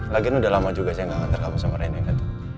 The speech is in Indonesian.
lagian udah lama juga saya gak nganter kamu sama reina